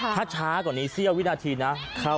เข้ามาในบ้านครับ